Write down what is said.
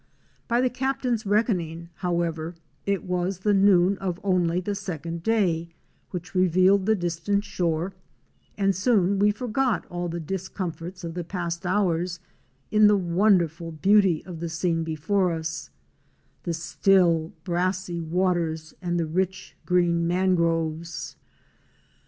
By the Captain's reckoning, however, it was the noon of only the second day which revealed the distant shore, and soon we forgot all the discomforts of the past hours in the wonderful beauty of the scene before us — the still, brassy waters and the rich green mangroves.